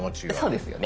そうですよね。